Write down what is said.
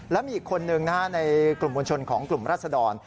และมีอีกคนนึงในกลุ่มมวลชนของกลุ่มรัศดร